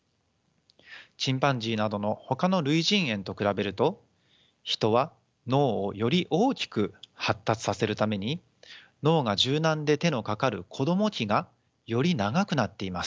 チンパンジーなどのほかの類人猿と比べると人は脳をより大きく発達させるために脳が柔軟で手のかかる子ども期がより長くなっています。